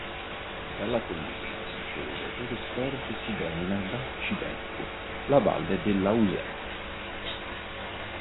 Dalla collina rocciosa dove sorge si domina da occidente la valle dell'Ausente.